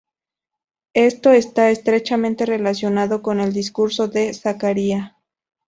Esto está estrechamente relacionado con el discurso de Zakaria.